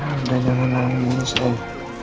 udah jangan nangis ndien